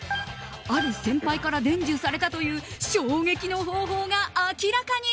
ある先輩から伝授されたという衝撃の方法が明らかに！